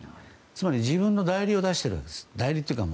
自分の代理を出しているんです。